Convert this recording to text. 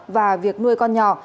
và việc nuôi con nhỏ